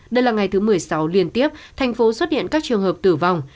đây là ngày thứ một mươi sáu liên tiếp thành phố xuất hiện các trường hợp tử vong